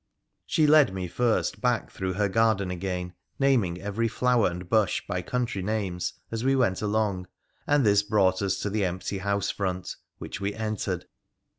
She led me first back through her garden again, naming every flower and bush by country names as we went along, and this brought us to the empty house front, which we entered.